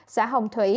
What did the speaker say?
xã hồng thủy